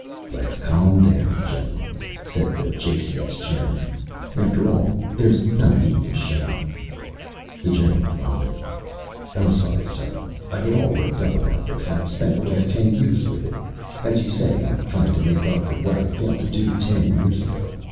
"Let's calm down, General," said the JCS chairman, "After all, there's no need to shout." The general nodded. "I'm sorry, sir. I get all worked up about this. I've spent the last ten years with it. As you say, I'm trying to make up for what I failed to do ten years ago.